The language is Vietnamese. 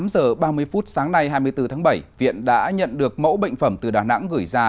tám giờ ba mươi phút sáng nay hai mươi bốn tháng bảy viện đã nhận được mẫu bệnh phẩm từ đà nẵng gửi ra